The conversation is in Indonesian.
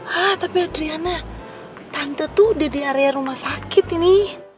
hah tapi adriana tante tuh udah di area rumah sakit ini